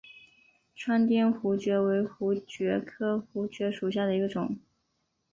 川滇槲蕨为槲蕨科槲蕨属下的一个种。